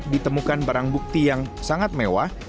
ditemukan barang bukti yang sangat mewah